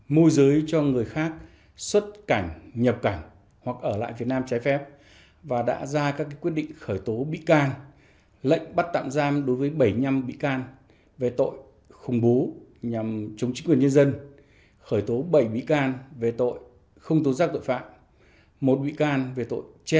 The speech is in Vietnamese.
ngày hai mươi ba tháng sáu năm hai nghìn hai mươi ba cơ quan an ninh điều tra công ty cổ phần tập đoàn flc đã ra quyết định khởi tố vụ án khủng bố nhằm chống chính quyền nhân dân che giấu tội phạm không tố giác tội phạm và tổ chức